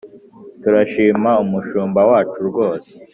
turashima umushumba wacu rwose